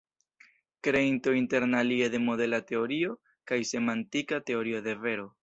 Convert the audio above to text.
Kreinto interalie de modela teorio kaj semantika teorio de vero.